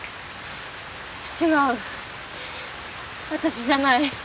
違う私じゃない。